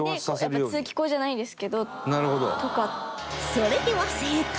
それでは正解